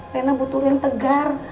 rena butuh yang tegar